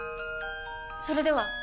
それでは！